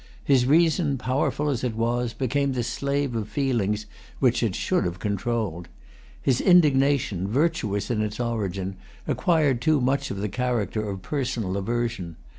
His reason, powerful as it was, became the slave of feelings which it should have controlled. His indignation, virtuous in its origin, acquired too much of the character of personal aversion.